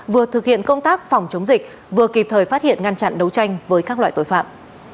vừa thực hiện công tác phòng chống dịch vừa kịp thời phát hiện ngăn chặn đấu tranh với các loại tội phạm